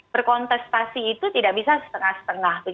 berkontestasi itu tidak bisa setengah setengah